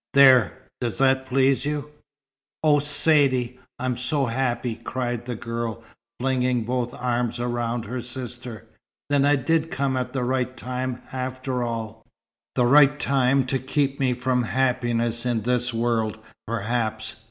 There! does that please you?" "Oh Saidee, I am so happy!" cried the girl, flinging both arms round her sister. "Then I did come at the right time, after all." "The right time to keep me from happiness in this world, perhaps.